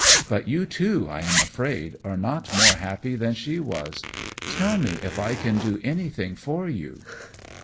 But you, too, I am afraid, are not more happy than she was. Tell me if I can do anything for you."